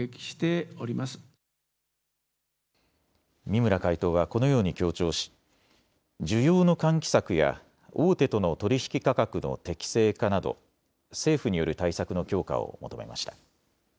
三村会頭はこのように強調し、需要の喚起策や大手との取引価格の適正化など政府による対策の強化を求めました。